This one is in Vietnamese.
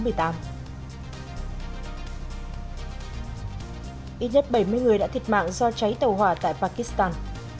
ít nhất bảy mươi người đã thiệt mạng do cháy tàu hỏa tại pakistan